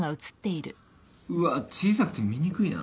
うわ小さくて見にくいな。